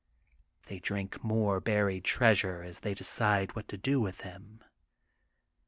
They drink more buried treasure, as they decide what to do with him.